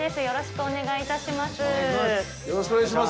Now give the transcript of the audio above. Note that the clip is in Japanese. よろしくお願いします。